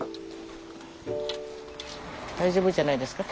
大丈夫じゃないですか？